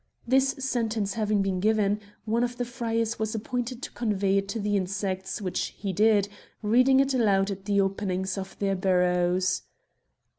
This sentence having been given, one of the friars was appointed to convey it to the insects, which he did, reading it aloud at the openings of their burrows.